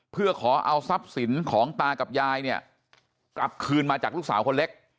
เพื่อขอเอาทรัพย์สินของตากับยายเนี่ยกลับคืนมาจากลูกสาวคนเล็ก